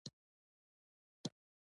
د موټروان لپاره خوندیتوب کمربند مهم دی.